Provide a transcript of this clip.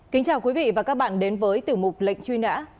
kính chào quý vị và các bạn đến với tiểu mục lệnh truy nã